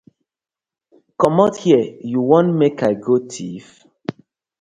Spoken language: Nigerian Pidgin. Comot here yu won mek I go thief?